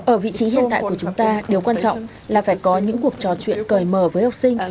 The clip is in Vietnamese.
ở vị trí hiện tại của chúng ta điều quan trọng là phải có những cuộc trò chuyện cởi mở với học sinh